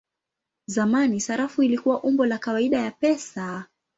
Zamani sarafu ilikuwa umbo la kawaida ya pesa.